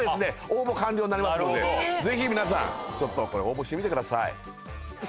応募完了になりますのでぜひみなさんちょっとこれ応募してみてください